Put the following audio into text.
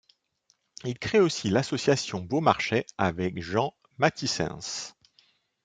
Il crée aussi l'association Beaumarchais avec Jean Matthyssens.